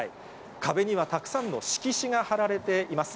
壁にはたくさんの色紙が貼られています。